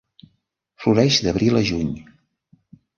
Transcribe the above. Floreix d'abril a juny.